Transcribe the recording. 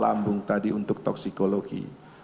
lambung tadi untuk toksikologi